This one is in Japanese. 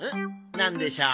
なんでしょう？